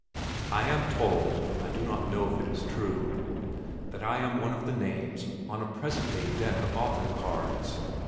I am told I do not know that it is true that I am one of the names on a present day deck of Author cards.